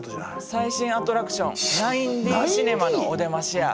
最新アトラクション９Ｄシネマのおでましや！